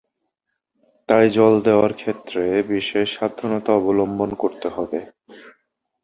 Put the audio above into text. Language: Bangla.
তাই জল দেওয়ার ক্ষেত্রে বিশেষ সাবধানতা অবলম্বন করতে হবে।